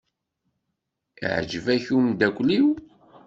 Iɛjeb-ak umeddakel-iw?